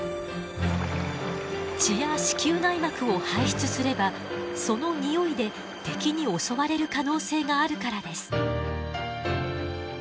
血や子宮内膜を排出すればそのにおいで敵に襲われる可能性があるからです。